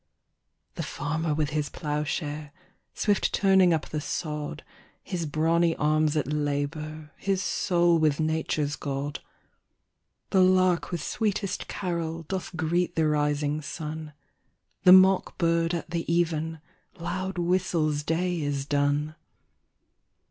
The farmer with his ploughshare, Swift turning up the sod, His brawny arms at labor, His soul with Nature's God. The Lark with sweetest carol, Doth greet the rising sun, The Mock bird at the even, Loud whistles day is done.